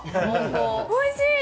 おいしい。